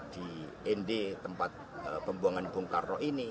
di nd tempat pembuangan bung karno ini